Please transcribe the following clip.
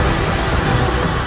aku akan menangkapmu